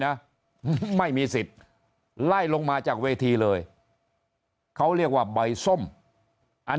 นะไม่มีสิทธิ์ไล่ลงมาจากเวทีเลยเขาเรียกว่าใบส้มอัน